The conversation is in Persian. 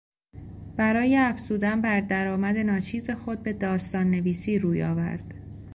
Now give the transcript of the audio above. برای افزودن بر درآمد ناچیز خود به داستان نویسی روی آورد.